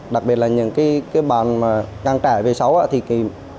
đặc biệt là những cái bàn ngang trải v sáu thì kìm